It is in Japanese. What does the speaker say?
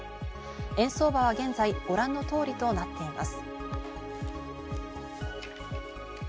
円相場は現在ご覧の通りとなっています。